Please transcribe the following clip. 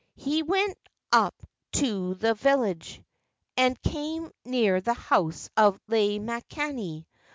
He went up to the village and came near the house of Lei makani.